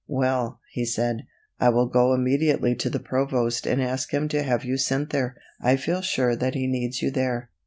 "Well," he said, "I will go immediately to the provost and ask him to have you sent there. I feel sure that he needs you there."